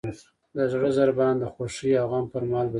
د زړه ضربان د خوښۍ او غم پر مهال بدلېږي.